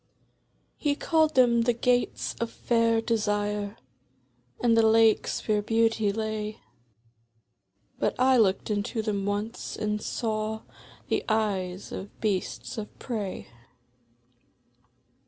He called them the Gates of Fair Desire, And the Lakes where Beauty lay, But I looked into them once, and saw The eyes of Beasts of Prey.